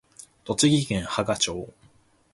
栃木県芳賀町